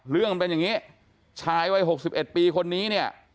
เรื่องมันเป็นอย่างนี้ชายวัย๖๑ปีคนนี้เนี่ย